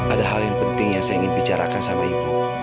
ada hal yang penting yang saya ingin bicarakan sama ibu